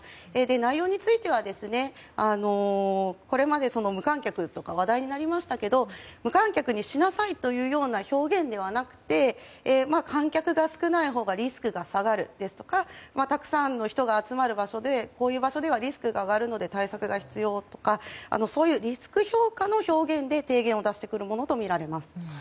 内容についてはこれまで無観客とか話題になりましたけど無観客にしなさいという表現ではなくて観客が少ないほうがリスクが下がるですとかたくさんの人が集まる場所ではリスクが上がるので対策が必要とかそういうリスク評価の表現で提言を出してくるものとみられます。